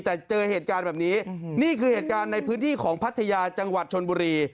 แต่เจอเหตุการณ์แบบนี้นี่คือเหตุการณ์ในพื้นที่ของพัทยาจังหวัดชนบุรี